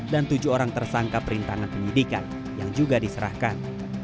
dan tujuh orang tersangka perintahan penyidikan yang juga diserahkan